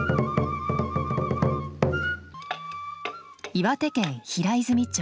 岩手県平泉町。